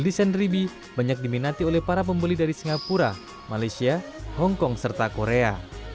desain dribi banyak diminati oleh para pembeli dari singapura malaysia hongkong serta korea